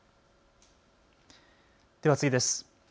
では次です。